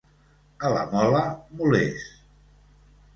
A la Mola, molers.